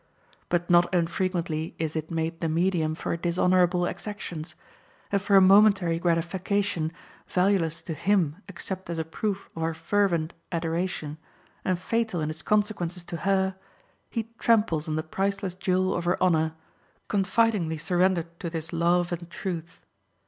But not unfrequently is it made the medium for dishonorable exactions, and for a momentary gratification, valueless to him except as a proof of her fervent adoration, and fatal in its consequences to her, he tramples on the priceless jewel of her honor, confidingly surrendered to this love and truth.